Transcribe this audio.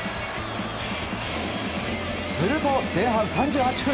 すると前半３８分。